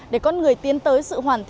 để con người tiến tới sự hoàn thành